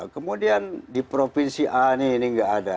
kemudian di provinsi a ini nggak ada